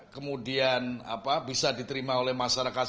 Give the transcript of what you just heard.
kemudian bisa diterima oleh masyarakat secara logis